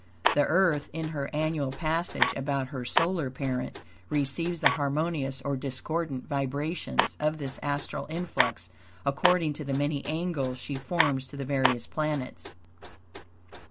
The Earth, in her annual passage about her solar parent, receives the harmonious or discordant vibrations of this astral influx according to the many angles she forms to the various planets.